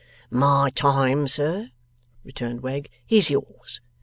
'My time, sir,' returned Wegg, 'is yours.